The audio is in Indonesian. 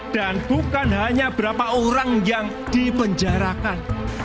dan bukan hanya berapa orang yang dipenjarakan